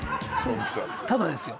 ただですよ